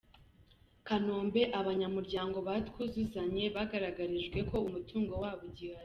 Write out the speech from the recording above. Kanombe Abanyamuryango ba "Twuzuzanye" bagaragarijwe ko umutungo wabo ugihari